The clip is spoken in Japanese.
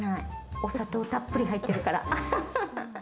お砂糖たっぷり入ってるから。